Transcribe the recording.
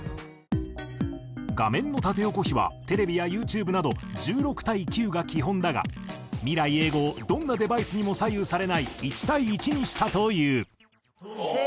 画面の縦横比はテレビやユーチューブなど１６対９が基本だが未来永劫どんなデバイスにも左右されない１対１にしたという。